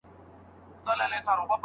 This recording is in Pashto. افغانانو په پاني پت کې دښمن په ګونډو کړ.